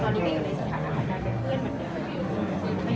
มันได้เป็นเพื่อนเหมือนเดิม